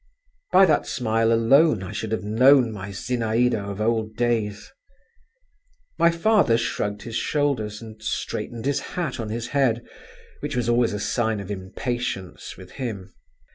By that smile alone, I should have known my Zinaïda of old days. My father shrugged his shoulders, and straightened his hat on his head, which was always a sign of impatience with him….